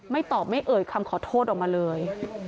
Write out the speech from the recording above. ตอบไม่เอ่ยคำขอโทษออกมาเลย